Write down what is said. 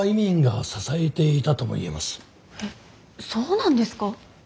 えっそうなんですか？